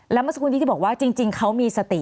แล้วเมื่อสักครู่นี้ที่บอกว่าจริงเขามีสติ